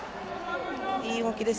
いい動きです。